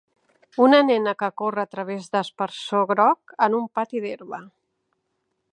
Una nena que corre a través d'aspersor groc en un pati d'herba